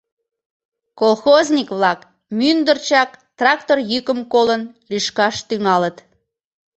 Колхозник-влак, мӱндырчак трактор йӱкым колын, лӱшкаш тӱҥалыт.